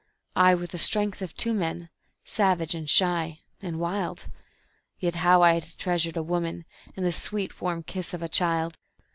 I, with the strength of two men, savage and shy and wild Yet how I'd ha' treasured a woman, and the sweet, warm kiss of a child!